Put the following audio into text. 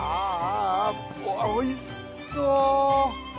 うわあおいしそう！